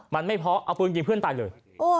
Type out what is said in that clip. มันไม่เพราะเอาปืนยิงเพื่อนตายเลย